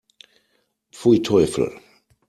Pfui, Teufel!